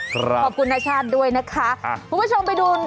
ครับคุณนาชาติด้วยนะคะคุณผู้ชมไปดูเรื่องของ